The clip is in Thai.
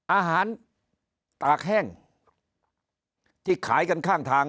อาหารตากแห้งที่ขายกันข้างทาง